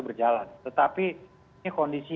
berjalan tetapi ini kondisi